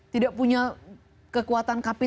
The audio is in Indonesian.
tidak punya kekuatan kapal